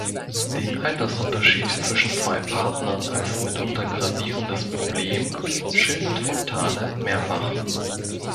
Den Altersunterschied zwischen zwei Partnern als mitunter gravierendes Problem schildert Fontane mehrfach.